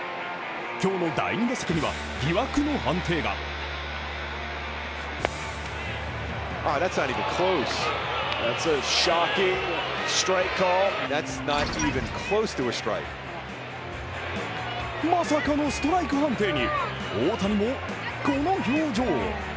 今日の第２打席では、疑惑の判定がまさかのストライク判定に大谷も表情。